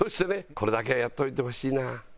これだけはやっておいてほしいな。